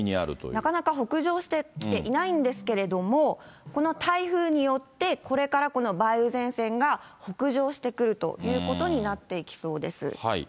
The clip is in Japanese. なかなか北上してきていないんですけれども、この台風によって、これからこの梅雨前線が北上してくるということになっていきそうです。